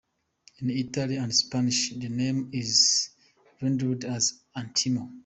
In Italian and Spanish, the name is rendered as Antimo.